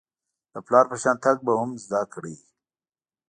د پلار په شان تګ به هم زده کړئ .